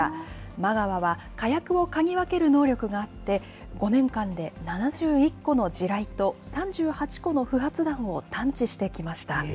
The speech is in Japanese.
マガワは火薬を嗅ぎ分ける能力があって、５年間で７１個の地雷と３８個の不発弾を探知してきました。